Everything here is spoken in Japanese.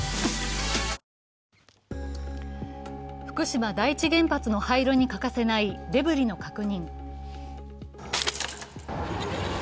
福島第一原発の廃炉に欠かせないデブリの確認。